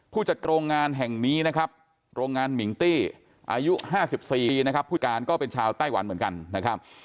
จัดโรงงานแห่งนี้นะครับโรงงานมิงตี้อายุ๕๔นะครับผู้การก็เป็นชาวไต้หวันเหมือนกันนะครับ